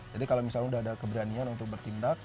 jadi kalau misalnya udah ada keberanian untuk bertindak